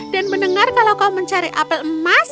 mendengar kalau kau mencari apel emas